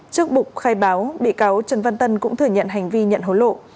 trước bục khai báo bị cáo trần văn tân cũng thừa nhận hành vi nhận hối lộ